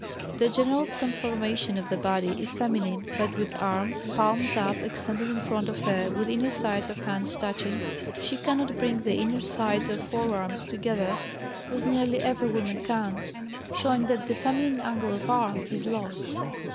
The general conformation of the body is feminine. But with arms, palms up, extended in front of her with inner sides of hands touching, she cannot bring the inner sides of forearms together, as nearly every woman can, showing that the feminine angle of arm is lost.